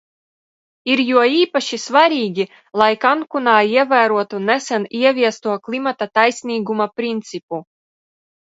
Ir jo īpaši svarīgi, lai Kankunā ievērotu nesen ieviesto klimata taisnīguma principu.